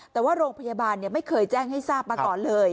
แต่ว่าโรงพยาบาลไม่เคยแจ้งให้ทราบมาก่อนเลย